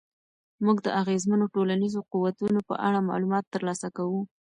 موږ د اغېزمنو ټولنیزو قوتونو په اړه معلومات ترلاسه کوو.